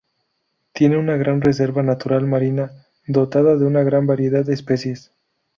Tiene una gran reserva natural marina, dotada de una gran variedad de especies.